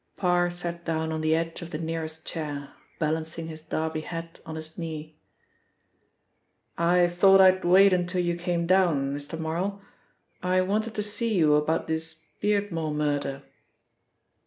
Parr sat down on the edge of the nearest chair, balancing his Derby hat on his knee. "I thought I'd wait until you came down, Mr. Marl. I wanted to see you about this Beardmore murder."